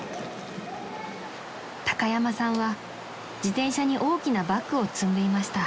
［高山さんは自転車に大きなバッグを積んでいました］